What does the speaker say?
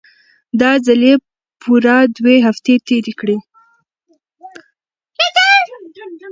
دا ځل يې پوره دوې هفتې تېرې کړې.